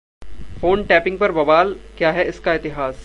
phone tapping पर बवाल, क्या है इसका इतिहास